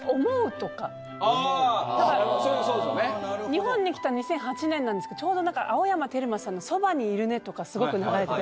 日本に来たの２００８年なんですけどちょうど青山テルマさんの『そばにいるね』とかすごく流れてて。